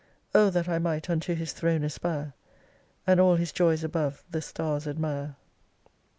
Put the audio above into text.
Oh that I might unto his throne aspire. And all his joys above the stars admire